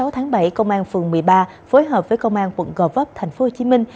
hai mươi tháng bảy công an phường một mươi ba phối hợp với công an quận gò vấp thành phố hồ chí minh